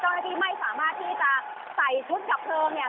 เจ้าหน้าที่ไม่สามารถที่จะใส่ชุดดับเพลิงเนี่ย